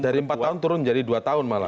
dari empat tahun turun jadi dua tahun malah